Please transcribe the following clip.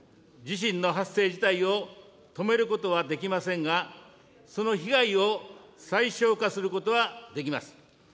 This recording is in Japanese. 地震の発生自体を止めることはできませんが、その被害を最小化することはできます。